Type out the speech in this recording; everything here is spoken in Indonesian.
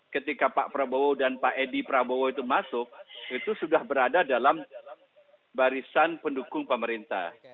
ketika pak prabowo dan pak edi prabowo itu masuk itu sudah berada dalam barisan pendukung pemerintah